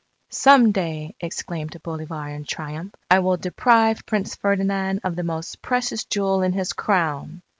"Some day," exclaimed Bolivar in triumph, "I will deprive Prince Ferdinand of the most precious jewel in his Crown!"